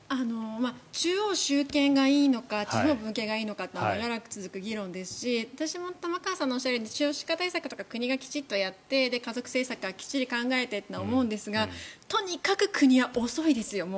中央集権がいいのか地方分権がいいのかっていうのは長らく続く議論ですし私も玉川さんがおっしゃるように少子化対策とか国がしっかりやって家族対策とかちゃんとやってとか思いますがとにかく国は遅いですよ。